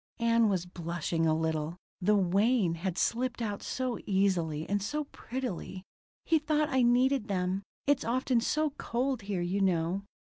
Ann was blushing a little: the "Wayne" had slipped out so easily, and so prettily. "He thought I needed them. It's often so cold here, you know."